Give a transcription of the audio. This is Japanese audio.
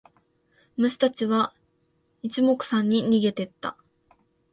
虫たちは一目散に逃げてった。